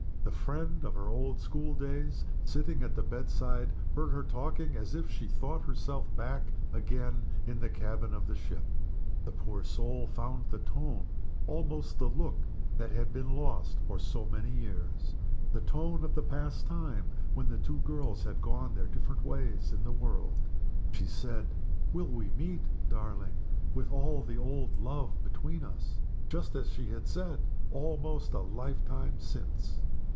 The friend of her old school days, sitting at the bedside, heard her talking as if she thought herself back again in the cabin of the ship. The poor soul found the tone, almost the look, that had been lost for so many years the tone of the past time when the two girls had gone their different ways in the world. She said, "we will meet, darling, with all the old love between us," just as she had said almost a lifetime since.